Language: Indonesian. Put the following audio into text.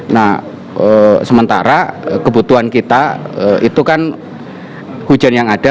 nah sementara kebutuhan kita itu kan hujan yang ada